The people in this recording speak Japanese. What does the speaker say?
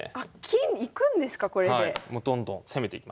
もうどんどん攻めていきます。